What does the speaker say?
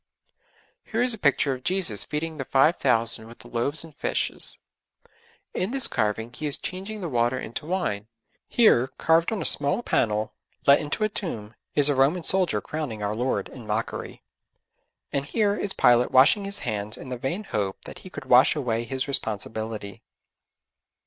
Here is a picture of Jesus feeding the five thousand with the loaves and fishes; in this carving He is changing the water into wine; here, carved on a small panel, let into a tomb, is a Roman soldier crowning our Lord in mockery; and here is Pilate washing his hands in the vain hope that he could wash away his responsibility.